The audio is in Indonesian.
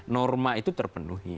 norma itu terpenuhi